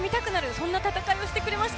そんな戦いをしてくれました。